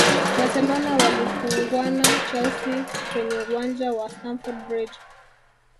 barcelona walifungwana chelsea kwenye uwanja wa stamford bridge